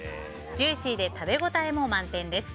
ジューシーで食べ応えも満点です。